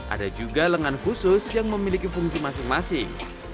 ada juga lengan khusus yang memiliki fungsi penyelenggaraan